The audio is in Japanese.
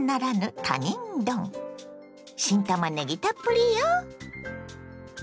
新たまねぎたっぷりよ。